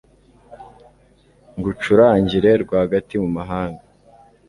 ngucurangire rwagati mu mahanga